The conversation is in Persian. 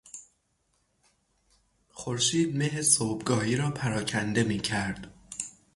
خورشید مه صبحگاهی را پراکنده میکرد.